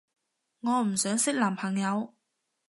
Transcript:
我唔想識男朋友